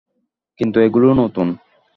কিন্তু এগুলো নতুন।